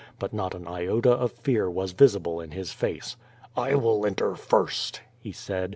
But not an iota of fear was visi ble in his face. "I will enter first," he said.